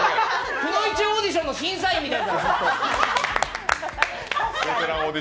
くノ一オーディションの審査員みたい。